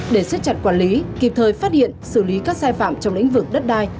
để xếp chặt quản lý kịp thời phát hiện xử lý các sai phạm trong lĩnh vực đất đai